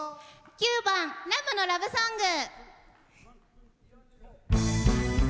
９番「ラムのラブソング」。